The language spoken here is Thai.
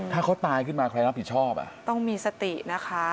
ถ้าเขาตายขึ้นมาใครรับผิดชอบอ่ะต้องมีสตินะคะ